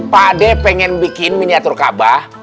pak de pengen bikin miniatur kabah